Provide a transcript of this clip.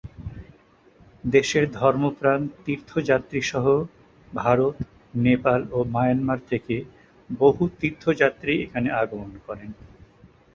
দেশের ধর্মপ্রাণ তীর্থযাত্রীসহ ভারত, নেপাল ও মায়ানমার থেকে বহু তীর্থযাত্রী এখানে আগমন করেন।